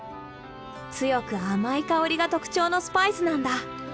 強く甘い香りが特徴のスパイスなんだ。